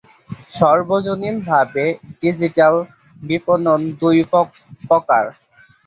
সর্বজনীনভাবে, ডিজিটাল বিপণন দুই প্রকার।